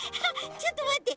ちょっとまって。